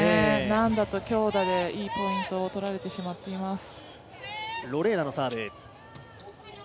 軟打と強打でいいポイントを取られてしまっています。